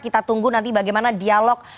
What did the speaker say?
kita tunggu nanti bagaimana dialog